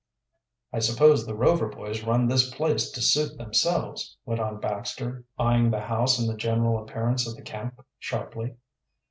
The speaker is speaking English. "I suppose the Rover boys run this place to suit themselves," went on Baxter, eying the house and the general appearance of the camp sharply.